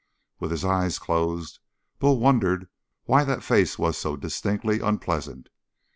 With his eyes closed, Bull wondered why that face was so distinctly unpleasant.